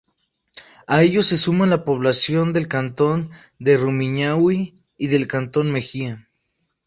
A ellos se suman la población del cantón de Rumiñahui y del cantón Mejía.